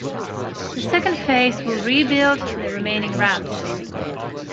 The second phase will rebuild the remaining ramps.